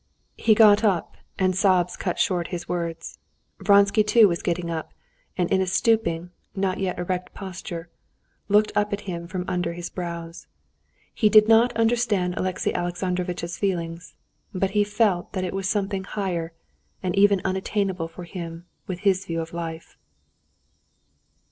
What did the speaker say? He got up, and sobs cut short his words. Vronsky too was getting up, and in a stooping, not yet erect posture, looked up at him from under his brows. He did not understand Alexey Alexandrovitch's feeling, but he felt that it was something higher and even unattainable for him with his view of life.